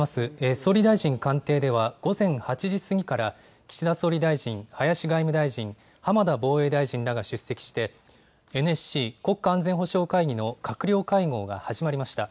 総理大臣官邸では午前８時過ぎから岸田総理大臣、林外務大臣、浜田防衛大臣らが出席してＮＳＣ・国家安全保障会議の閣僚会合が始まりました。